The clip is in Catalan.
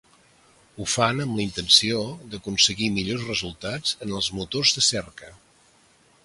Ho fan amb la intenció d'aconseguir millors resultats en els motors de cerca.